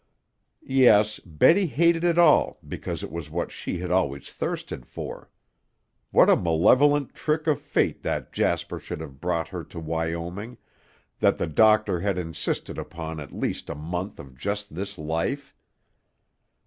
Yes, Betty hated it all because it was what she had always thirsted for. What a malevolent trick of fate that Jasper should have brought her to Wyoming, that the doctor had insisted upon at least a month of just this life.